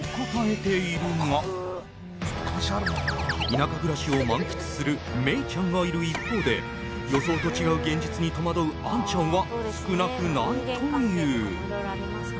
田舎暮らしを満喫するメイちゃんがいる一方で予想と違う現実に戸惑うアンちゃんは少なくないという。